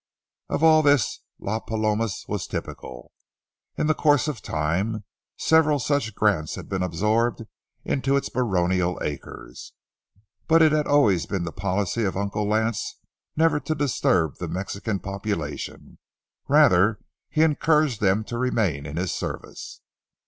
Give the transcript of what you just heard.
Of all this Las Palomas was typical. In the course of time several such grants had been absorbed into its baronial acres. But it had always been the policy of Uncle Lance never to disturb the Mexican population; rather he encouraged them to remain in his service.